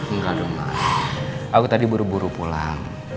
engga dong mbak aku tadi buru buru pulang